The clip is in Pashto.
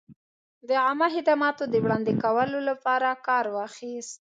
د عامه خدمتونو د وړاندې کولو لپاره کار واخیست.